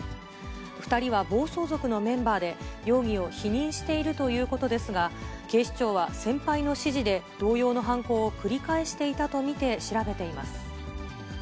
２人は暴走族のメンバーで、容疑を否認しているということですが、警視庁は先輩の指示で同様の犯行を繰り返していたと見て調べています。